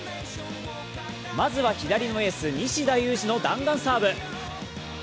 まずは左のエース・西田有志の弾丸サーブ。